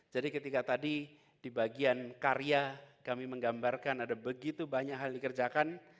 ketika tadi di bagian karya kami menggambarkan ada begitu banyak hal yang dikerjakan